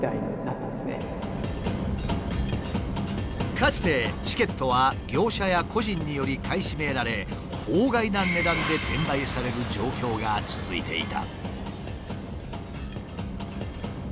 かつてチケットは業者や個人により買い占められ法外な値段で転売される状況が続いていた。